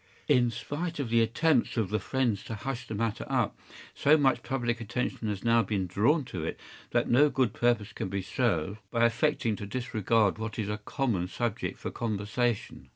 In spite of the attempts of the friends to hush the matter up, so much public attention has now been drawn to it that no good purpose can be served by affecting to disregard what is a common subject for conversation.